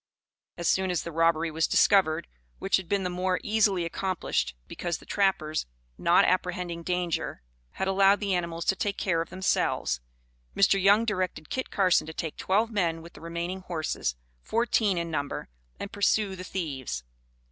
As soon as the robbery was discovered, which had been the more easily accomplished because the trappers, not apprehending danger, had allowed the animals to take care of themselves, Mr. Young directed Kit Carson to take twelve men with the remaining horses, fourteen in number, and pursue the thieves.